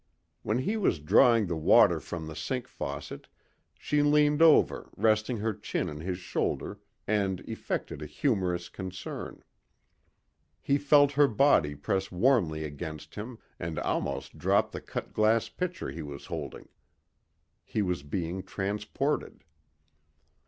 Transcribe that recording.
When he was drawing the water from the sink faucet she leaned over resting her chin on his shoulder and effected a humorous concern. He felt her body press warmly against him and almost dropped the cut glass pitcher he was holding. He was being transported.